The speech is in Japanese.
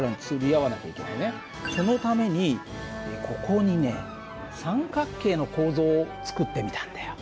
そのためにここにね三角形の構造を作ってみたんだよ。